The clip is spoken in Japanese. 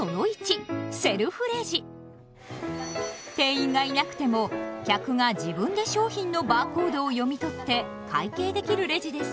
店員がいなくても客が自分で商品のバーコードを読み取って会計できるレジです。